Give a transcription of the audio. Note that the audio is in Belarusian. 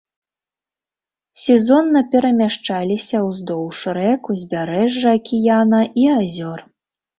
Сезонна перамяшчаліся ўздоўж рэк, узбярэжжа акіяна і азёр.